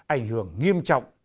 ảnh hưởng nghiêm trọng